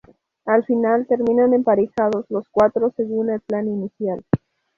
Al final terminan emparejados los cuatro según el plan inicial.